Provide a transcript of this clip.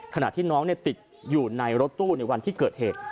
ขณะที่น้องติดอยู่ในรถตู้ในวันที่เกิดเหตุ